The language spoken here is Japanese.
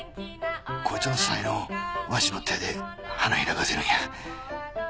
こいつの才能をわしの手で花開かせるんや。